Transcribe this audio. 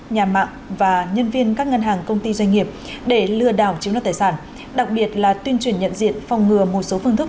nhà mạng và nhân viên các ngân hàng công ty doanh nghiệp để lừa đảo chiếm đoạt tài sản đặc biệt là tuyên truyền nhận diện phòng ngừa một số phương thức